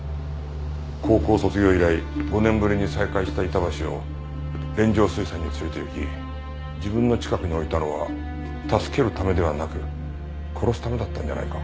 高校卒業以来５年ぶりに再会した板橋を連城水産に連れていき自分の近くに置いたのは助けるためではなく殺すためだったんじゃないか。